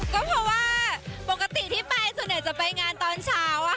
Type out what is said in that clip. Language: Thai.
ก็เพราะว่าปกติที่ไปส่วนใหญ่จะไปงานตอนเช้า